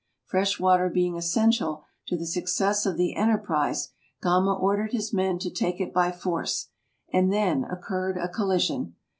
Fresh water being essential to the success of the enterprise, Gama ordered his men to take it by force, and then occurred a collision.